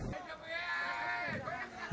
dalam posisi risma